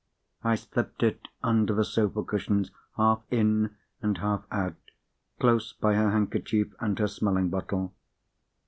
I slipped it under the sofa cushions, half in, and half out, close by her handkerchief, and her smelling bottle.